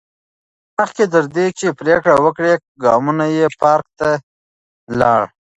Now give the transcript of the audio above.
مخکې تر دې چې پرېکړه وکړي، ګامونه یې پارک ته لاړل.